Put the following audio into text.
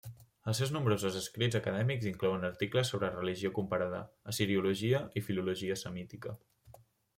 Els seus nombrosos escrits acadèmics inclouen articles sobre religió comparada, assiriologia, i filologia semítica.